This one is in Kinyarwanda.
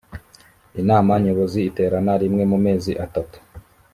inama nyobozi iterana rimwe mu mezi atatu